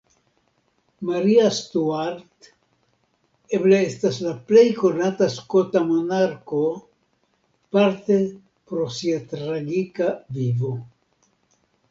Maria Stuart eble estas la plej konata skota monarko, parte pro sia tragika vivo.